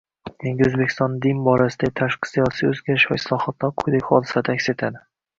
Yangi Oʻzbekistonning din borasidagi tashqi siyosiy oʻzgarish va islohotlari quyidagi hodisalarda aks etadi.